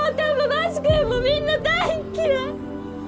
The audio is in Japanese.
バシ君もみんな大っ嫌い！